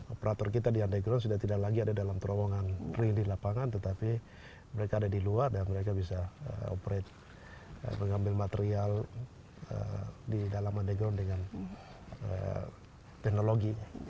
operator kita di underground sudah tidak lagi ada dalam terowongan ring di lapangan tetapi mereka ada di luar dan mereka bisa operate mengambil material di dalam underground dengan teknologi